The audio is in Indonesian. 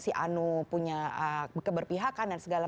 si anu punya keberpihakan dan segala